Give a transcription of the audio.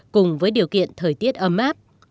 cùng với điều kiện thời tiết ấm áp